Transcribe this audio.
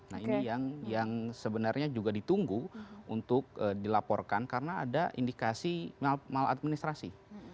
nah ini yang sebenarnya juga ditunggu untuk dilaporkan karena ada indikasi maladministrasi